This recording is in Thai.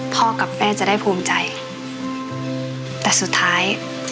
กับแม่จะได้ภูมิใจแต่สุดท้าย